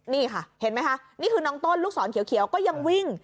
นี่ค่ะเห็นไหมคะนี่คือน้องต้นลูกศรเขียวก็ยังวิ่ง